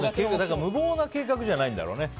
無謀な計画じゃないんだろうね。